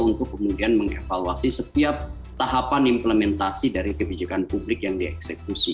untuk kemudian mengevaluasi setiap tahapan implementasi dari kebijakan publik yang dieksekusi